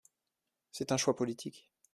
C’est un choix politique.